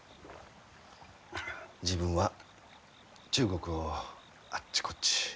自分は中国をあっちこっち。